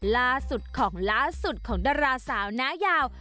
ล่าสุดของล่าสุดของดาราสาวน้ายาว